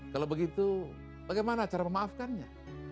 kalau begitu bagaimana cara memaafkannya